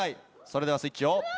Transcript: それではスイッチをどうぞ。